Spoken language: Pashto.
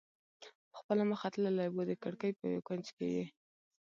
په خپله مخه تللی و، د کړکۍ په یو کونج کې یې.